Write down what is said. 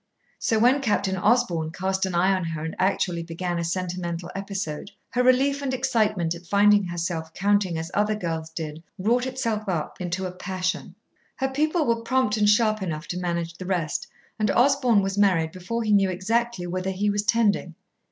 So when Captain Osborn cast an eye on her and actually began a sentimental episode, her relief and excitement at finding herself counting as other girls did wrought itself up into a passion. Her people were prompt and sharp enough to manage the rest, and Osborn was married before he knew exactly whither he was tending.